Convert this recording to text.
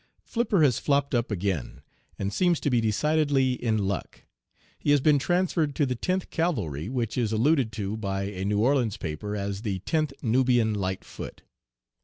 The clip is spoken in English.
"Flipper has flopped up again, and seems to be decidedly in luck. He has been transferred to the Tenth Cavalry, which is alluded to by a New Orleans paper as the 'Tenth Nubian Light Foot.'